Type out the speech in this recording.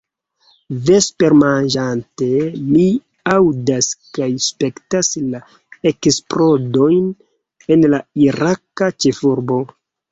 Vespermanĝante, mi aŭdas kaj spektas la eksplodojn en la iraka ĉefurbo.